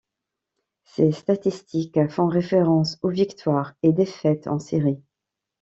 Ces statistiques font référence aux victoires et défaites en série.